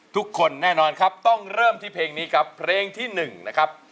ทุกคนแน่นอนครับต้องเริ่มที่เพลงนี้ครับเพลงที่๑นะครับ